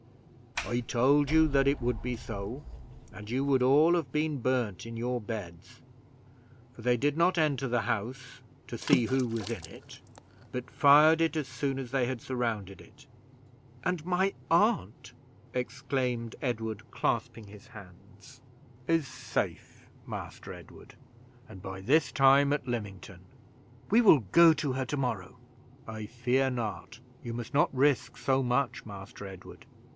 "I told you that it would be so, and you would all have been burned in your beds, for they did not enter the house to see who was in it, but fired it as soon as they had surrounded it." "And my aunt!" exclaimed Edward, clasping his hands. "Is safe, Master Edward, and by this time at Lymington." "We will go to her to morrow." "I fear not; you must not risk so much, Master Edward.